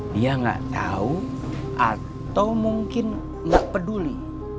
dia gak tahu atau mungkin gak peduli